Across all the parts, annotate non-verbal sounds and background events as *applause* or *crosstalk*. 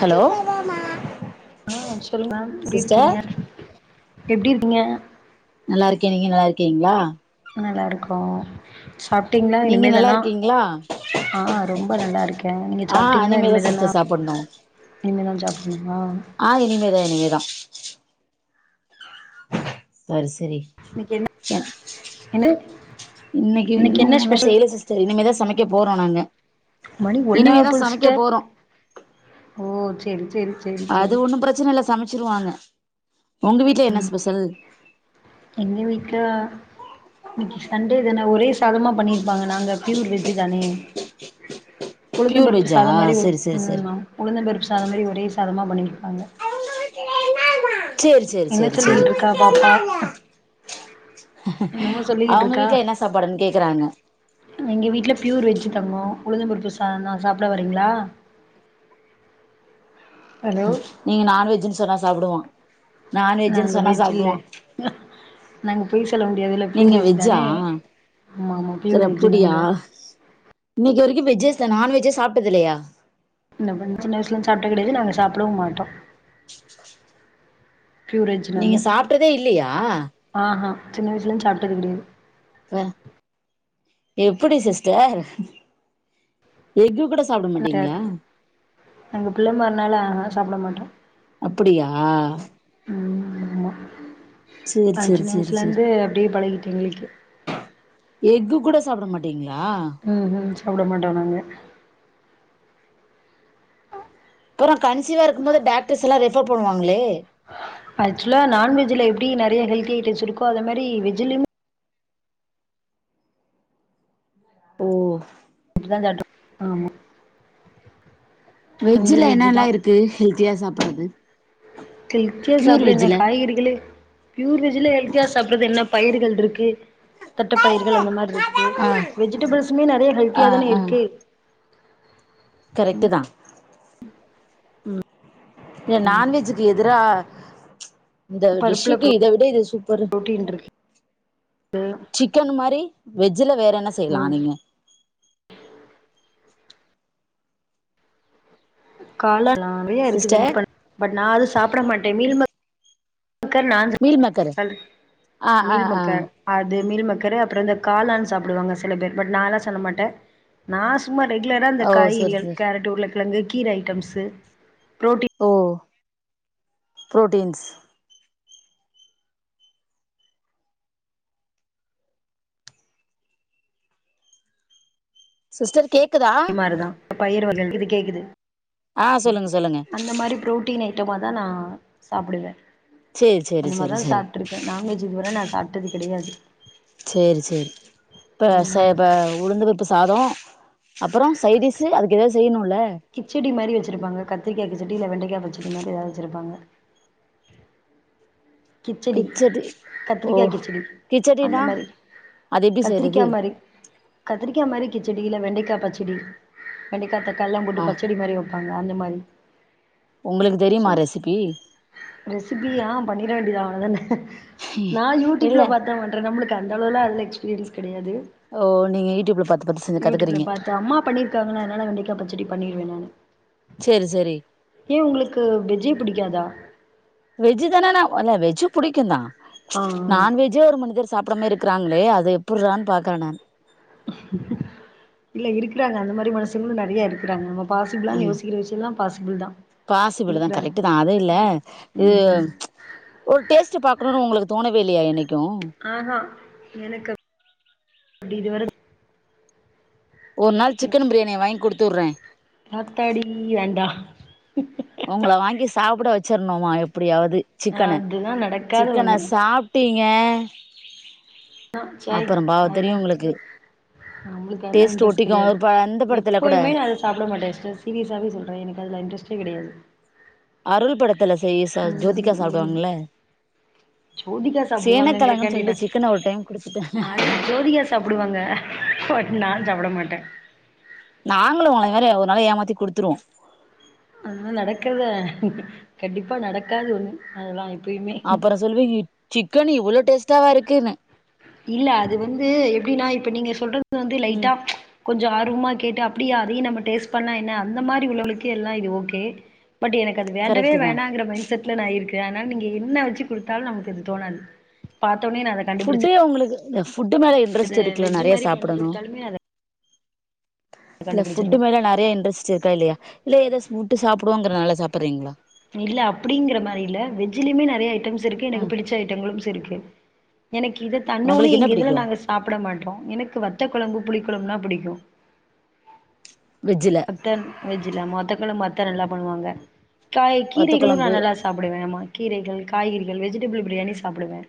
Hello hello ஆ சொல்லுங்க எப்டி சிஸ்டர் இருக்கீங்க எப்டி இருக்கீங்க நல்லா இருக்கே நீங்க நல்லா இருக்கீங்ளா நல்லா இருக்கோ சாப்ட்டீங்களா நீங்க நல்லா இனிமேதான இருக்கீங்களா அ ரொம்ப நல்லா இருக்கே நீங்க ஆ சாப்ட்டீங்ளா இனிமேதா இனிமேதானா சிஸ்டர் சாப்புட்ணு இனிமே தா சாப்புட்னுமா அ இனிமே தா இனிமே தா சரி சரி இன்னைக்கு என்ன என்ன இன்னைக்கு இன்னு ஒன்னு செய்யல சிஸ்டர் இனிமேதா சமைக்க போறோ நாங்க மணி இனிமேதா ஒன்னாவப்போது சமைக்க சிஸ்டர் போறோ ஓ செரி அது ஒன்னு பிரச்சன இல்ல சமைச்சிருவாங்க உங்க வீட்ல என்ன ஸ்பெஷல் எங்க வீட்ல இன்னைக்கு சண்டே தானே ஒரே சாதமா பண்ணிருப்பாங்க நாங்க பியூர் வெஜ்ஜி தானே உளுந்தம் பியூர் பருப்பு வெஜ்ஜா சாதம் மாதிரி சரி சரி சரி ம் உளுந்தம் பருப்பு சாதம் மாரி ம் உளுந்தம் பருப்பு சாதம் மாரி ஒரே பண்ணிருப்பாங்க சேரி சேரி என்ன செரி செரி சொல்லிக்கிட்டு இருக்கா பாப்பா என்னமோ சொல்லிக்கிட்டு அவங்க இருக்கா வீட்ல என்ன சாப்பாடுன்னு கேக்கறாங்க எங்க வீட்ல பியூர் வெஜ் தங்கம் உளுந்தம்பருப்பு சாதந் தா சாப்பட வரீங்ளா ஹலோ நீங்க நான்வெஜ்ஜுன்னு சொன்னா சாப்டுவா நான்வெஜ்ன்னு நாங்க சொன்னா வெஜ் இல்ல சாப்புடுவான் நாங்க பொய் செல்ல வேண்டியது இல்ல ப்யூர் வெஜ் தானே ஆமா ஆமா செர் பியூர் வெஜ்ஜு அப்படியா நாங்க இன்னைக்கு வரைக்கு வெஜ்ஜே நான்வெஜ்ஜே சாப்ட்டது இல்லையா இந்த சின்ன வயசுலந்து சாப்ட்டது கெடையாது நாங்க சாப்பிடவும் மட்டோ பியூர்வெஜ் நீங்க நாங்க சாப்ட்டதே இல்லையா அஹ சின்ன வயசுலருந்து சாப்ட்டது கிடையாது ப்ப எப்படி சிஸ்டர் எக்கு கூட சாப்பிட சார் மாட்டீங்களா நாங்க பிள்ளமார்னால அதுலா சாப்பிட மாட்டோ அப்படியா ஆமா ஆமா சேரி நா சேரி சின்ன சேரி வயசுல சேரி இருந்தே அப்டியே பழகிட்டு எங்களுக்கே எக்கு கூட சாப்பிட மாட்டீங்களா ம்ஹு சாப்பிட மாட்டோ நாங்க அப்றோ கன்சீவா இருக்கும்போது டாக்டர்ஸ் எல்லா ரெஃபர் பண்ணுவாங்களே ஆக்சுவலா நான்வெஜ்ல எப்படி நறைய ஹெல்தி ஐட்டம்ஸ் இருக்கோ அத மாரி வெஜூலயுமே ஓ அப்டிதா சாப்ட்டோ ஆமா பியூர் வெஜ்ல வெஜ்ஜு தா என்னெல்லா இருக்கு ஹெல்த்தியா சாப்புட்றது ஹெல்த்தியா சாப்புறது என்ன காய்கறிகளே பியூர் வெஜ்ல ஹெல்த்தியா சாப்பிட்றது என்ன பயிர்கள் இருக்கு தட்டப்பயிர்கள் அந்த மாரி இருக்கு ஆ வெஜிடபிள்ஸுமே நிறைய ஆ ஹெல்த்தியா தானே இருக்கு கரெக்ட்டுதா இல்ல நான்வெஜ்ஜூக்கு எதிரா இந்த பருப்புல டிஷ்ஷுக்கு ப்ரோ இத விட இது ‌சூப்பரு து சிக்கன் மாரி வெஜ்ஜில வேற என்ன செய்யலா நீங்க காளான் நறையா சிஸ்டர் இருக்குது பட் நா அது சாப்பிட மாட்டே மீல்மேக் மக்கர் நா மீல் மேக்கரு சாப்பிட ஆ *inaudible* ஆ மீல் ஆ மக்கர் அது மீல் மேக்கரு அப்புற இந்த காளான் சாப்பிடுவாங்க சில பேர் பட் நாலா சாப்ட மாட்டே நா சும்மா ரெகுலரா இந்த ஓ சரி காய்கறிகள் சரி கேரட் உருளக்கிழங்கு கீர ஐட்டம்ஸு புரோட்டின் ஓ ப்ரோட்டீன்ஸ் சிஸ்டர் கேக்குதா மாரி தா பயிர் வகை இது கேக்குது ஆ சொல்லுங்க சொல்லுங்க அந்த மாரி ப்ரோட் டீன் ஐட்டமா தா நா சாப்பிடுவே சேரி சேரி அந்த சேரி மாரிதா சேரி சாப்ட்டு இருக்கே நான்வெஜ் இது வர நா சாப்ட்டது கெடையாது சேரி சேரி இப்ப ச ம் இப்ப இவுங்களுக்கு சாதம் அப்புற சைடீசு அதுக்கு ஏதாவது செய்யணும்ல கிச்சடி மாதிரி வச்சிருப்பாங்க கத்திரிக்காய் கிச்சடி இல்ல வெண்டக்கா பச்சடி மாதிரி ஏதாவது வச்சிருப்பாங்க கிச்சடி ஓ கத்திரிக்கா கிச்சடி கிச்சடினா அந்த மாரி அது எப்டி செய்றது கத்திரிக்காய் மாதிரி கிச்சடி இல்ல வெண்டக்காய் பச்சடி வெண்டைக்காய் தக்காளில்லா போட்டு ஆ பச்சடி மாரி வப் ப்பாங்க அந்த மாரி உங்களுக்கு தெரியுமா ரெசிபி ரெசிபி ஆ பண்ணிட வேண்டியதா அவளதானே நா இல்ல யூடியூப்ல பாத்தா பண்ணுவ நம்மளுக்கு அந்த அளவலா அதுல எக்ஸ்பீரியன்ஸ் கெடையாது ஓ நீங்க யூடியூப்ல பாத்து பாத்து செஞ்சு யூடியூப்ல கத்துக்குறீங்க பாத்து அம்மா பண்ணிருக்காங்கள அதனால வெண்டைக்கா பச்சடி பண்ணிருவே நானு சேரி சேரி ஏ உங்களுக்கு வெஜ்ஜே பிடிக்காதா வெஜ்ஜூ தானே நா இல்ல வெஜ்ஜு புடிக்குந்தா ஆ ஆ நான்வெஜ் ஜே ஒரு மனிதர் சாப்பிடாம இருக்குறாங்களே அது எப்பிட்றான் பாக்கறே நா இல்ல எங்க வீட்லயு அந்த மாதிரி மனுஷங்களு நெறைய இருக்கிறாங்க பாசிபிளானு ம் யோசிக்கிற விஷயலா பாசிபிள் தா பாசிபிள் தா இருக்குறாங்க கரெக்ட் தா அது இல்ல இது ம் ம் ஒரு டேஸ்ட் பாக்கணும்னு உங்களுக்கு தோனவே இல்லயா என்னைக்கு ஆஹா எனக்கு அப்டி இது வரை ஒரு நாள் சிக்கன் பிரியாணிய வாங்கி குடுத்து விட்றே ஆத்தாடி வேண்டா உங்கள வாங்கி சாப்பிட வச்சிருணுமா எப்டியாவது சிக்கன அதுதா நடக்காத சிக்கன ஒண்ணு சாப் ட்டீங்க ஆ சாய் அதல தெரியு உங்களுக்கு நம்ளுக்கு அதுலா டேஸ்ட் இன்ட்ரெஸ்ட் ஒட்டிக்கு கிடையாது ஒரு ப அந்த படத்துல கூட எப்பயுமே அத சாப்பிட மாட்டே சார் சீரியஸாவே சொல்ற எனக்கு அதுல இட்ரஸ்ட்டே கிடையாது அருள் படத்துல செய்ய சார் ம் ஜோதிகா ம் ம் சாப்பிடுவாங்கள்ள ஜோதிகா சேன கிழங்குனு சாப்டுவாங்கங்கறக்காண்டி நா சொல்லிட்டு சிக்கன ஒரு டைம் குடுத்துப் பாருங்க அது ஜோதிகா சாப்டுவாங்க பட் நா சாப்ட மாட்ட நாங்களும் உங்கள ஒரு நாளை ஏமாத்தி கொடுத்துருவோ அதெல்லா நடக்கல கண்டிப்பா நடக்காது அதெல்லா இப் அப்புற சொல்விங்க சிக்கன் இவ்வளவு டேஸ்டாவா இருக்குன்னு இல்ல அது வந்து எப்டின்னா இப்ப நீங்க சொல்றது வந்து ம் லைட்டா கொஞ்ச ஆர்வமா கேட்டு அப்டியே அதையு நம்ம டேஸ்ட் பண்ணா என்ன அந்த மாரி உள்ளவங்களுக்கு எல்லா இது ஓகே பட் எனக்கு அது வேண்டவே கரெக்ட்டு தா வேணாங்கிற மைன்ட் செட்ல நா இருக்க அதனால நீங்க என்ன வச்சு குடுத்தாலு நமக்குஅது தோணது பாத்தோனே அத ஃபுட்டே கண்டுபிடிச்சுருவேன். உங்களுக்கு ஃபுட்டு மேல இன்ட்ரெஸ்ட் இருக்குல்ல வெஜ் நெறைய மாரி பண்ணி சாப்பிடணு குடுத்தாலுமே அத இல்ல ஃபுட்டு் கண்டுபிடிச்சுருவேன். மேல நெறைய இன்ட்ரெஸ்ட் இருக்கா இல்லையா இல்ல ஏதோ சுவிட்டு சாப்டுவோங்கறதனால சாப்ட்றீங்களா இல்ல அப்டிங்கிற மாரி இல்ல வெஜ்லயுமே நெறைய ஐட்டம்ஸ் இருக்கு ஆ எனக்கு பிடிச்ச ஐட்டங்களும்ஸ் இருக்கு எனக்கு இத தன்னவொன்ன உங்களுக்கு என்ன எங்க இதுல பிடிக்கு நாங்க சாப்பிட மாட்டோ எனக்கு வத்த குழம்பு புளி குழம்புனா பிடிக்கு வெஜ்ஜில ல வெஜ்ஜில வத்த கொழம்பு அத்த நல்லா பண்ணுவாங்க காய் வத்த கீரைகளு நா கொழம்பு நல்லா சாப் சாப்படுவ ஆமா கீரைகள் காய்கறிகள் வெஜிடேபுள் பிரியாணி சாப்டுவ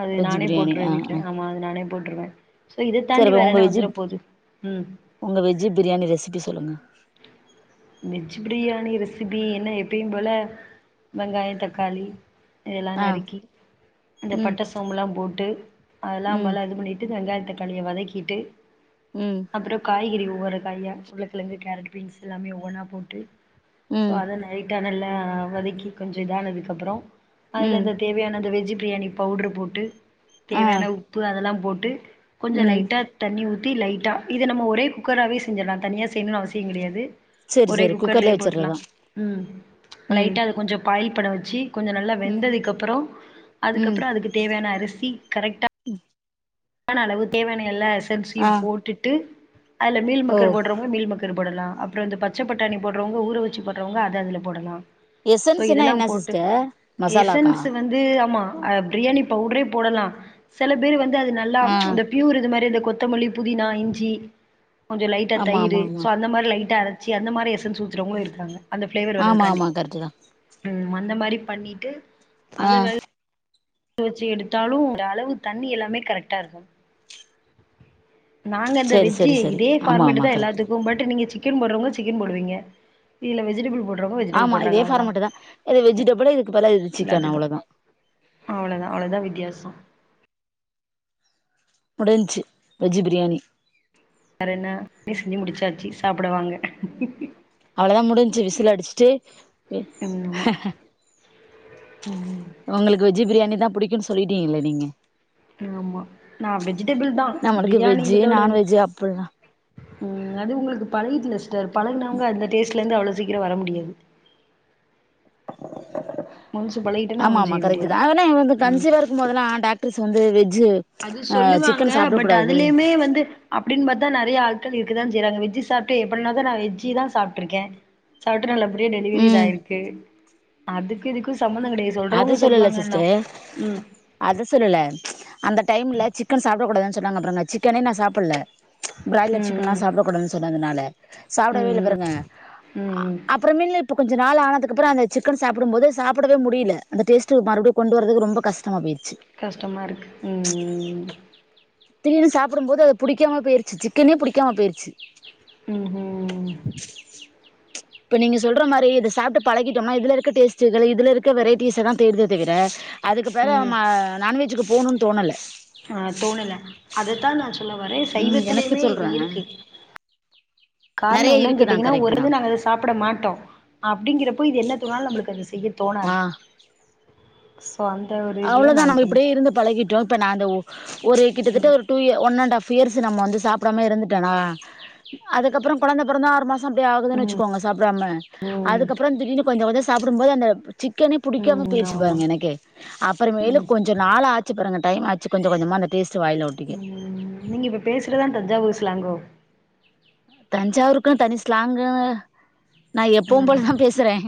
அது வெஜ் நானே பிரியாணி போட்ருவ ஆ வீட்ல ஆ ஆமா அது நானே போட்டுருவ சோ சரி இததாண்டி அப்ப வேற உங்க என்ன வெஜ்ஜு வந்துறபோது ம் உங்க வெஜ்ஜி பிரியாணி ரெசிபி சொல்லுங்க வெஜ் பிர்யாணி ரெ சிபி என்ன எப்பியு போல வெங்காயோ தக்காளி எல்லா ஆ நறுக்கி இந்த ம் பட்ட சோம்புலா போட்டு அதல்லா ம் மல்ல இது பண்ணி ட்டு வெங்காய தக்காளிய வதக்கிட்டு ம் அப்றோ காய்கறி ஒவ்வொரு காயா உள்ளக்கெழங்கு கேரெட் பீன்ஸ் எல்லாமே ஒவ்வொன்னா போட்டு ஸோ ம் அத லைட்டா நல்லா வதக்கி கொஞ்சோ இதானதுக்கப்பறோ அதுல ம் அந்த தேவயான அந்த வெஜ்ஜு பிர்யாணி பவுட்ர போட்டு ஆ தேவயான உப்பு அதல்லா போட்டு கொஞ்சோ ம் லைட்டா தண்ணி ஊத்தி லைட்டா இத நம்ம ஒரே குக்கராவே செஞ்சிலா தனியா செய்யணுனு அவசிய கெடையாது செரி ஒரே செரி குக்கர்லயே போட்டுடலா வச்சிட்றதா ம் ம் லைட்டா அத கொஞ்ச பாயில் பட வச்சி கொஞ்ச நல்லா ம் வெந்ததுக்கு அப்புற ம் அதுக்கப்புற அதுக்கு தேவையான அரிசி கரெக்டா யான அளவு தேவயான எல்லா எசன்ஸ்சியு ஆ போட்டுட்டு அல்ல ஓ மீல்மேக்கர் போட்ற மீல்மேக்கர் போடலா அப்றோ இந்த பச்ச பட்டாணி போட்றோங்க ஊற வச்சி போட்றோங்க அத அதுல போடலா ஸோ எசன்ஸ்னா இதெல்லா என்ன போட்டு சிஸ்டர் மசாலாக்கா எசன்ஸு வந் து ஆமா அ பிர்யாணி பவுட்ரே போடலா செல பேரு வந்து அது நல்லா ஆ அந்த ப்யூர் இது மாரி அந்த கொத்தமல்லி புதினா இஞ்சி கொஞ்சொ லைட்டா ஆமா ஆமா தயிரு ஆமா ஸோ அந்த மாரி லைட்டா அர ச்சி அந்த மாரி எசன்ஸ் ஊத்றோங்களு இருக்காங்க அந்த ஃபிளேவர் ஆமா வரதுக்கான்டி ஆமா கரெக்ட் தா ம் அந்த மாரி பண்ணிட்டு ஆ அத வேக வச்சு எடுத்தாலு அந்தளவு தண்ணி எல்லாமே கரெக்ட்டாருக்கு நாங்க அந்த செரி வெஜ்ஜி செரி செரி இதே ஆமா ஃபார்மெட்டு ஆமா தா கரெக்ட் எல்லாத்துக்கு பட் நீங்க சி க்கன் போட்றோங்க சிக்கன் போடுவிங்க இல்ல வெஜிடபிள் போ ஆமா இதே ஃபார்மெட்டுதா இது வெஜிடபுளு இதுக்கு பதிலா இது சிக்கன் அவ்ளதா அவ்ளதா அவ்ளதா வித்யாசோ முடின்ச்சு வெஜ்ஜு பிரியாணி வேறென்ன செஞ்சு முடிச்சாச்சி சாப்புட வாங்க அவ்ளதா முடின்ச்சு விசில் அடுச்ட்டு ம் ஆமா ம் ஒங்களுக்கு வெஜ்ஜு பிரியாணி தா புடிக்குன் சொல்லிட்டீங்ள நீங்க ஆமா நா வெஜிடெபிள் தா நம்மளுக்கு வெஜ்ஜு பிரியாணிங்கறத விட நான்வெஜ்ஜு அப்புல்லா ம் அது உங்ளுக்கு பழகிட்ல ஸ்டர் பழகுனவங்க அந்த டேஸ்ட்லந்து அவ்ளோ சீக்கிரோ வர முடியாது ஒன்ஸு பழகிட்டோனா ஆமா ஒன்னு ஆமா செய்ய முடியாது கரெக்ட்டுதா அதல்லா வந்து ம் கன்சீவாரு க்கும்போதல்லா டாக்டருஸ் வந்து வெஜ்ஜு அது ஆ சொல்லுவாங்க சிக்கன் சாப்பிடக் பட் கூடாது அதலயுமே வந்து அப்டின்பாத்தா நறைய ஆள்கள் இருக்கதா செய்றாங்க வெஜ்ஜி சாப்ட்டு எப்பனாதா நா வெஜ்ஜிதா சாப்ட்ருக்கே சாப்ட்டு நல்லபடியா டெலிவெரி ம் இதாய்ருக்கு அதுக்கு இதுக்கு சம்மந்தோ கெடயாது சொல்றோங்க சொல்வாங்கன்னோ ம் அத சொல்லல அந்த டைம்ல சிக்கன் சாப்ட கூடாதுன் சொன்னாங்க அப்றோ நா சிக்கனே நா சாப்புல பிராய்லர் சிக்கன்லா ம் சாப்ட கூடாதுன் சொன்னதுனால ம் சாப்டவேல்ல ம் பாருங்க ம் ம் அ ம் அப்றமேலு இப்ப கொஞ்ச நாள் ஆனதுக்கப்றோ அந்த சிக்கன் சாப்டும்போது சாப்டவே முடில அந்த டேஸ்ட்டு மறுப்டியு கொண்டு வர்றதக்கு ரொம்ப கஷ்டமா போய்ருச்சு கஷ்டமாருக்கு ம் ம் ம் திடீர்னு சாப்புடும் போது அது புடிக்காம போய்ருச்சு சிக்கனே புடிக்காம போய்ருச்சு ம் ம் இப்ப நீங்க சொல்ற மாதிரி இத சாப்பிட்டு பழகிட்டோம்னா இதுல இருக்க டேஸ்டு இதுல இருக்க வெரைட்டீஸ் எல்லாம் தேடுதே தவிர அதுக்கு பதிலா ம் நான் நான்வெஜ்ஜுக்கு போகணும்னு தோணல ஆ தோணல அதத்தான் நான் சொல்ல வரேன் ம் எனக்கு சைவத்திலயுமே இது சொல்றே இருக்கு காரணம் நெறைய என்னனு இருக்குதா கேட்டீங்கன்னா கரெக்ட்டு தா ஒருது நாங்க அதை சாப்பிட மாட்டோம் அப்படிங்கறப்போ இது என்ன தோணாலும் நம்மளுக்கு அது செய்ய ஆ தோணாது சொந்த அவ்வளவுதான் நம்ம இப்படியே இருந்து பழகிட்டோம் இப்ப நான் அ ஒரு கிட்டத்தட்ட ம் ஒரு டூ இ ஒன் அண்ட்ப் இயர்ஸ் நம்ம வந்து சாப்பிடாம இருந்துட்டேனா அதுக்கப்புறம் கொழந்தை பிறந்த ஆறு மாசம் அப்படி ஆகுதுன்னு ம் வச்சுக்கோங்க சாப்பிடாம ம் அதுக்கப்புறம் திடீர்னு கொஞ்சம் கொஞ்சம் சாப்பிடும்போது அந்த சிக்கனே பிடிக்காம ம் போயிருச்சு ஆமா பாருங்க எனக்கே அப்புறமேலு ம் கொஞ்ச நாள் ஆச்சு பாருங்க டைம் ஆச்சு கொஞ்ச கொஞ்சமா அந்த டேஸ்ட் வாயில்ல ஒட்டிக்க ம் நீங்க இப்ப பேசுறது தான் தஞ்சாவூர் சலாங்கோ தஞ்சாவூருக்குன்னு தனி ஸ்லாங்கன்னு நான் எப்பவும் ம் போலதான் பேசுறேன்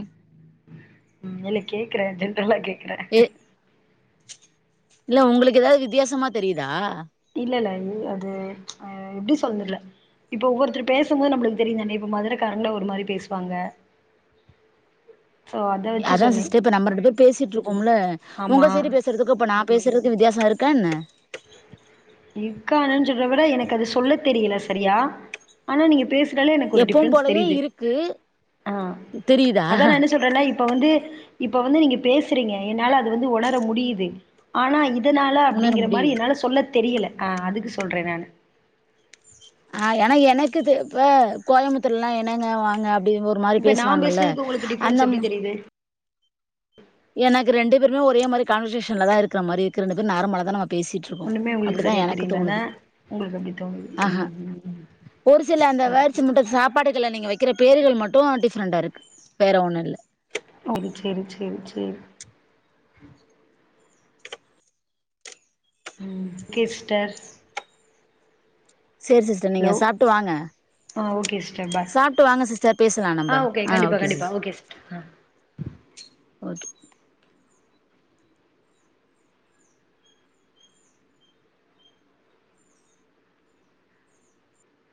ம் இல்ல கேக்குறேன் ஜென்ரலா கேக்குறேன் ஏ இல்ல உங்ளுக் எதா வித்தியாசமா தெரிதா இல்லெல்ல அது ஆ எப்டி சொல் தெரில இப்ப ஒவ்வொருத்தர் பேசும்போது நம்ளுக் தெரியுந்தானே இப்ப மதுரக்காரங்ளா ஒருமாரி பேசுவாங்க சோ அத வச்சு அதான் சொன்னே சிஸ்டர் இப்ப நம்ம ரெண்டு பேர் பேசிட்டு இருக்கோம்ல ஆமா உங்க சைடு பேசுறதும் இப்ப நான் பேசுறது வித்யாசம் இருக்கா என்ன இருக்கானு சொல்றத விட எனக்கு அது சொல்ல தெரியல சரியா ஆனா நீங்க பேச எனக்கு ஒரு எப்பவும் டிஃபரன்ஸ் போலயே தெரியுது இருக்கு ஆ தெரியுதா அதான் நான் என்ன சொல்றேன்னா இப்ப ப்ப வந்து இப்ப வந்து நீங்க பேசுறீங்க என்னால அது வந்து உணர முடியுது ஆனா இது எதனால உணர அப்படிங்கிற மாதிரி முடியுது என்னால சொல்ல தெரியல அதுக்கு சொல்றேன் நான் ஆ ஏன்னா எனக்கு இப்ப கோயம்புத்தூர்லல்லாம் என்னங்க வாங்க அப்படி ஒரு மாதிரி இப்ப நா பேசுவாங்கல்ல பேசுறதுக்கு உங்களுக்கு அந்த டிஃப்ரென்ஸ் எப்டி தெரியுது எனக்கு ரெண்டு பேருமே ஓரே மாதிரி கான்வர்சேஷன்ல தான் இருக்கிற மாதிரி இருக்கு ரெண்டு பேரும் நார்மலா தான் நம்ம பேசி இரு ஒண்ணுமே உங்களுக்கு சரியா தெரியலல உங்களுக்கு அப்படி தோணுது ஆஹா ஒரு சில அந்த ஓகே வேர்ட்ஸ் மட்டும் சாப்ப சாப்பாடுகள நீங்க வைக்கிற பேருகள் மட்டும் டிஃப்ரெண்ட்டா இருக்கு வேற ஒன்னும் இல்ல ம் சேரி சேரி சேரி ஓகே சிஸ்டர் செரி சிஸ்டர் நீங்க ஹலோ சாப்பிட்டு வாங்க ஆ ஓகே சிஸ்டர் பாய் சாப்பிட்டு வாங்க சிஸ்டர் பேசலாம் நம்ப ஆ கண்டிப்பா ஓகே சிஸ் கண்டிப்பா சிஸ்டர் ஆ ஓகே